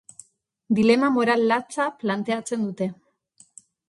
Dilema moral latza planteatzen dute.